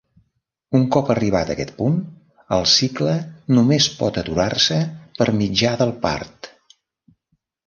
Un cop arribat aquest punt, el cicle només pot aturar-se per mitjà del part.